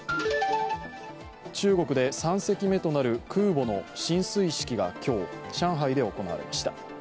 中国で３隻目となる空母の進水式が今日、上海で行われました。